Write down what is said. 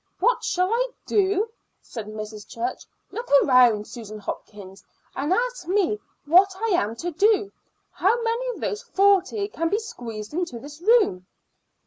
"What shall I do?" said Mrs. Church. "Look round, Susan Hopkins, and ask me what I am to do! How many of those forty can be squeezed into this room?"